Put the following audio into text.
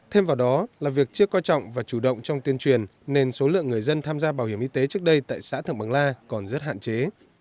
thêm vào đó là việc chưa quan trọng và chủ động trong tuyên truyền nên số lượng người dân tham gia bảo hiểm y tế trước đây tại xã thượng bằng la còn rất hạn chế